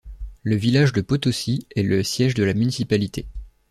Le village de Potoci est le siège de la municipalité.